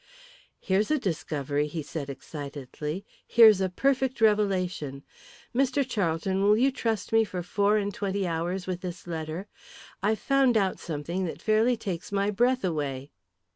"Here's a discovery," he said, excitedly. "Here's a perfect revelation. Mr. Charlton, will you trust me for four and twenty hours with this letter? I've found out something that fairly takes my breath away."